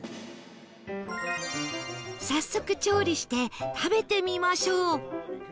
早速調理して食べてみましょう